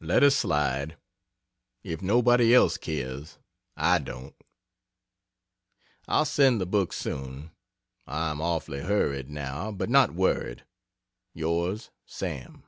Let her slide! If nobody else cares I don't. I'll send the book soon. I am awfully hurried now, but not worried. Yrs. SAM.